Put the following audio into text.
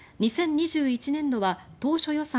２０２１年度は当初予算